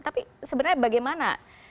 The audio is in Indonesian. tapi sebenarnya bagaimana